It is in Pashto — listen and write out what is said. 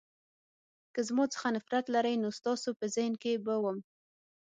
که زما څخه نفرت لرئ نو ستاسو په ذهن کې به وم.